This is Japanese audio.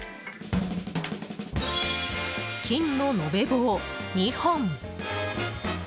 金の延べ棒２本。